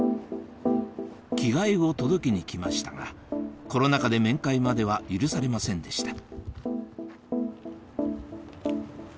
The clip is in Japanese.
着替えを届けに来ましたがコロナ禍で面会までは許されませんでした